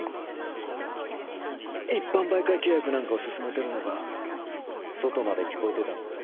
一般媒介契約なんかを勧めてるのが外まで聞こえてたので。